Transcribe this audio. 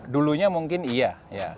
dulunya mungkin iya ya